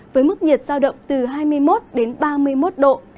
với mức nhiệt giao động từ hai mươi một đến ba mươi một độ